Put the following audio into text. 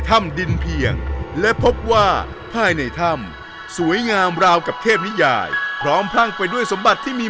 ถ้ำดินเพียงและพบว่าภายในถ้ำสวยงามราวกับเทพนิยายพร้อมพรั่งไปด้วยสมบัติที่มี